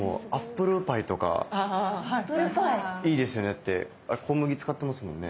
だってあれ小麦使ってますもんね。